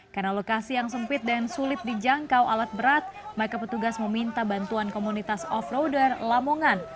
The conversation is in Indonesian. karena lokasi yang sempit dan sulit dijangkau alat berat mereka petugas meminta bantuan komunitas off roader lamongan